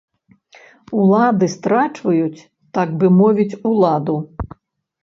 Улады страчваюць, так бы мовіць, уладу.